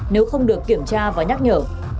nếu không được kiểm tra và nhắc nhở